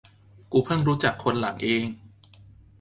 กูเพิ่งรู้จักคนหลังเอง